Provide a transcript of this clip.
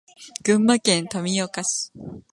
群馬県富岡市